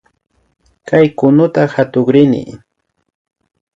Kay kunuta katukrini